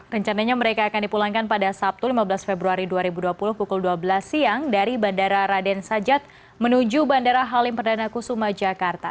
rencananya mereka akan dipulangkan pada sabtu lima belas februari dua ribu dua puluh pukul dua belas siang dari bandara raden sajat menuju bandara halim perdana kusuma jakarta